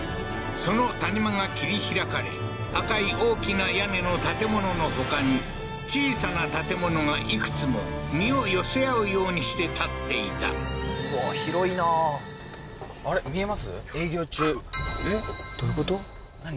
その谷間が切り開かれ赤い大きな屋根の建物のほかに小さな建物がいくつも身を寄せ合うようにして建っていたうわー広いなあ何？